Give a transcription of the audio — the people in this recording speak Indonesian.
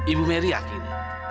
ibu merry yakin